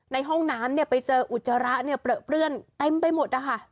ในห้องน้ำไปเจออุจจาระเปลือกเปลื้อนเต็มไปหมดนะคะ